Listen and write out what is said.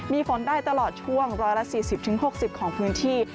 มีฝนได้ตลอดช่วง๑๔๐๖๐ของพื้นที่